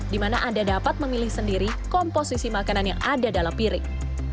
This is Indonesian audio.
di mana anda dapat memilih sendiri komposisi makanan yang ada dalam piring